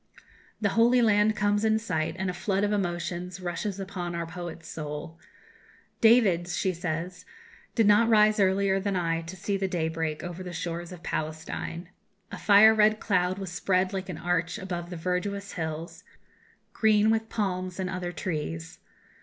The Holy Land comes in sight, and a flood of emotions rushes upon our poet's soul. "David," she says, "did not rise earlier than I to see the day break over the shores of Palestine. A fire red cloud was spread like an arch above the verdurous hills, green with palms and other trees.